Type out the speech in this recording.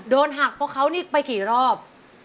โดนหักพวกเขานี่ไปกี่รอบ